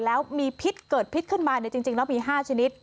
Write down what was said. แล้วมีพิษเกิดพิษขึ้นมาจริงแล้วมี๕ชนิด